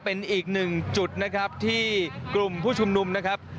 เป็นอีกหนึ่งจุดนะครับที่กลุ่มผู้ชุมนุมนะครับ